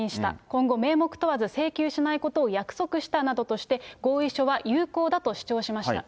今後、名目問わず請求しないことを約束したなどとして、合意書は有効だと主張しました。